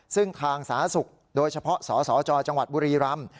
ซึ่งทางสาธารณสุขโดยเฉพาะสศจบุรีรัมน์